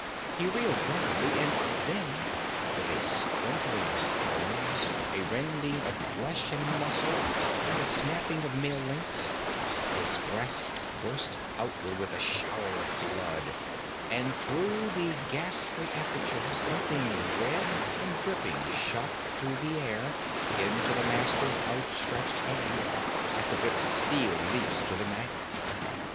He reeled drunkenly, and then, with a splintering of bones, a rending of flesh and muscle and a snapping of mail links, his breast burst outward with a shower of blood, and through the ghastly aperture something red and dripping shot through the air into the Master's outstretched hand, as a bit of steel leaps to the magnet.